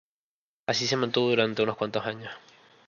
Así se mantuvo durante unos cuantos años.